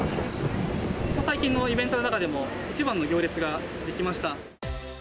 ここ最近のイベントの中でも一番の行列が出来ました。